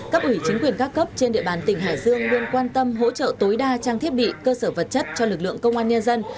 cấp ủy chính quyền các cấp trên địa bàn tỉnh hải dương luôn quan tâm hỗ trợ tối đa trang thiết bị cơ sở vật chất cho lực lượng công an nhân dân